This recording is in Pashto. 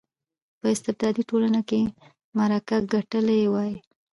په استبدادي ټولنه کې معرکه ګټلې وای.